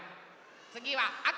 つぎはあか。